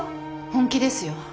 本気ですよ。